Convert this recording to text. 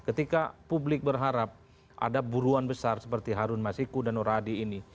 ketika publik berharap ada buruan besar seperti harun masiku dan nuradi ini